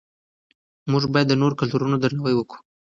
موږ باید د نورو کلتورونو درناوی وکړو.